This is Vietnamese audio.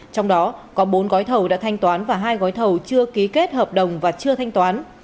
trong đó có bốn gói thầu đã thanh toán và hai gói thầu chưa ký kết hợp đồng và chưa thanh toán